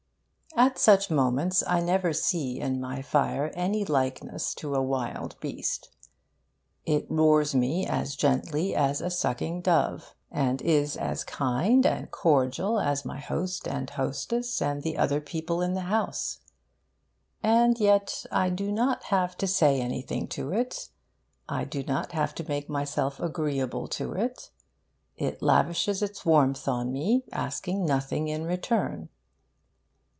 At such moments I never see in my fire any likeness to a wild beast. It roars me as gently as a sucking dove, and is as kind and cordial as my host and hostess and the other people in the house. And yet I do not have to say anything to it, I do not have to make myself agreeable to it. It lavishes its warmth on me, asking nothing in return.